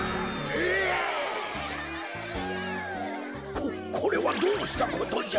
ここれはどうしたことじゃ？